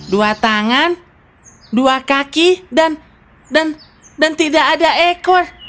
dua tangan dua kaki dan tidak ada ekor